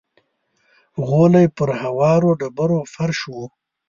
غولی پر هوارو ډبرو فرش و.